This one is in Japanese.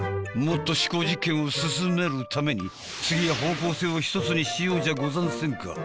もっと思考実験を進めるために次は方向性を１つにしようじゃござんせんか。